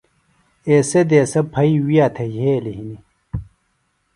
ایسےۡ دیسہ پھئیۡ وِیہ تھےۡ یھیلیۡ ہنیۡ